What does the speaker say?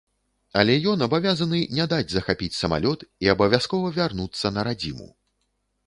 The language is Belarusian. Але ён абавязаны не даць захапіць самалёт і абавязкова вярнуцца на радзіму.